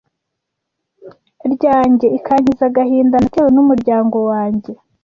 ryanjye ikankiza agahinda natewe n’umuryango wanjye